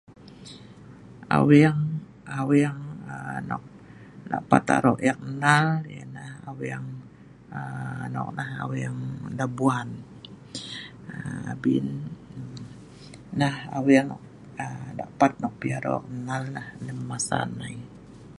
aweng aweng err nok nok pat arok ek nal ialah aweng err nok nah aweng Labuan err abin nah aweng err nok pat pi arok ek nal neh lem masa nai